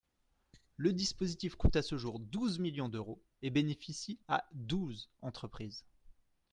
Le dispositif coûte à ce jour douze millions d’euros et bénéficie à douze entreprises.